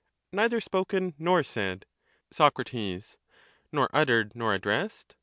Neither spoken nor said. Soc. Nor uttered nor addressed?